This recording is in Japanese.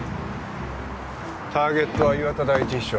ターゲットは岩田第一秘書。